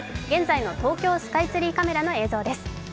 現在の東京スカイツリーカメラの様子です。